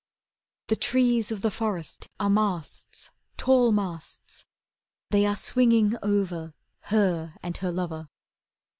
The trees of the forest are masts, tall masts; They are swinging over Her and her lover.